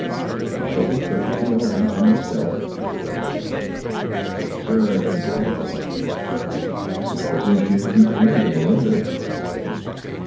"I shall be perfectly all right by myself," Juliet protested. Sir Arthur did not like it. "Supposing she is detained in London," he said.